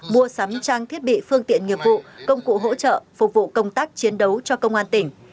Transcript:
mua sắm trang thiết bị phương tiện nghiệp vụ công cụ hỗ trợ phục vụ công tác chiến đấu cho công an tỉnh